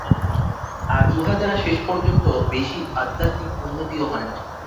আর উহা দ্বারা শেষ পর্যন্ত বেশী আধ্যাত্মিক উন্নতিও হয় না।